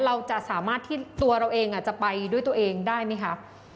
เราจะสามารถที่ตัวเราเองจะไปด้วยตัวเองได้ไหมคะ